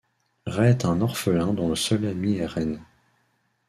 Rai est un orphelin dont le seul ami est Ren.